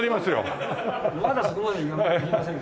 まだそこまでいきませんけど。